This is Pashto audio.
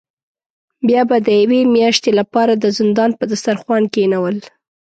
بیا به د یوې میاشتې له پاره د زندان په دسترخوان کینول.